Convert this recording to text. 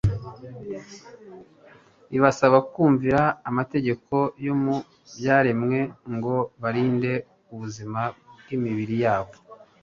ibasaba kumvira amategeko yo mu byaremwe, ngo barinde ubuzima bw'imibiri yabo